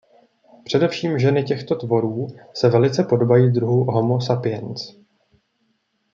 Především ženy těchto tvorů se velice podobají druhu homo sapiens.